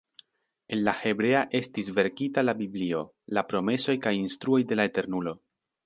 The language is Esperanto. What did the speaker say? En la hebrea estis verkita la biblio, la promesoj kaj instruoj de la Eternulo.